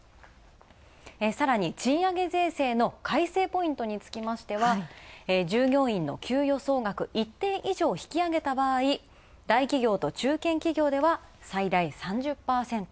さらに賃上げ税制の改正ポイントにつきましては従業員の給与総額、一定以上引き上げた場合、大企業と中堅企業では最大３０％。